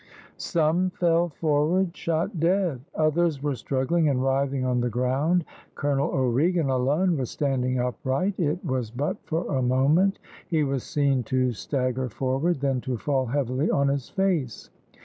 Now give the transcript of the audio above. Some fell forward, shot dead; others were struggling and writhing on the ground; Colonel O'Regan alone was standing upright. It was but for a moment; he was seen to stagger forward, then to fall heavily on his face.